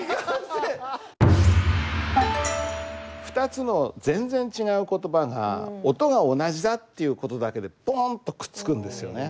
２つの全然違う言葉が音が同じだっていうことだけでポンとくっつくんですよね。